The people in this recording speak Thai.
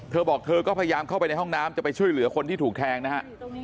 เธอบอกเธอก็พยายามเข้าไปในห้องน้ำจะไปช่วยเหลือคนที่ถูกแทงนะฮะ